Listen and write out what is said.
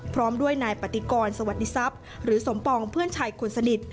พร้อมด้วยนายปฏิกรสวัสดิทรัพย์หรือสมปองเพื่อนชายคนสนิท